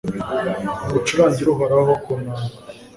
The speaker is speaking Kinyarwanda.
nimucurangire Uhoraho ku nanga